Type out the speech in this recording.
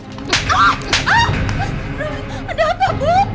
ada apa bu